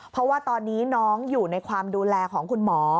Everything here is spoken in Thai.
เพราะว่าตอนนี้น้องอยู่ในความดูแลของคุณหมอ